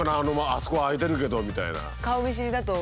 あそこ開いてるけど」みたいな。